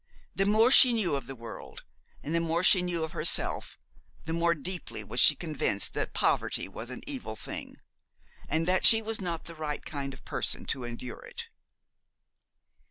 The more she knew of the world and the more she knew of herself the more deeply was she convinced that poverty was an evil thing, and that she was not the right kind of person to endure it.